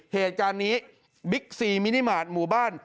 เหตุการณ์นี้บิ๊กซีมินิมาตรหมู่บ้าน